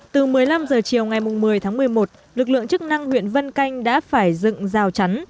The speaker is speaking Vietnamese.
từ một mươi năm h chiều ngày một mươi tháng một mươi một lực lượng chức năng huyện vân canh đã phải dựng rào chắn